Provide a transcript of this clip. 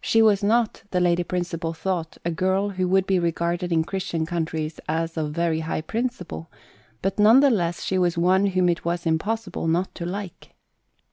She was not, the Lady Principal thought, a girl who would be regarded in Christian countries as of very high principle ; but none the less, she was one whom it was impossible not to like.